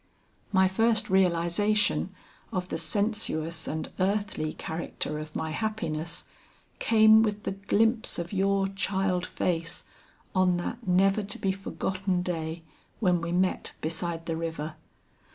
My first realization of the sensuous and earthly character of my happiness came with the glimpse of your child face on that never to be forgotten day when we met beside the river.